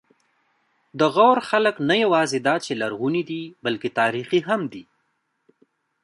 د غور خلک نه یواځې دا چې لرغوني دي، بلکې تاریخي هم دي.